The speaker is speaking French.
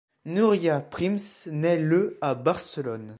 Núria Prims naît le à Barcelone.